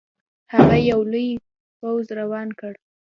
هغه یو لوی پوځ روان کړ.